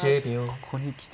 ここに来て。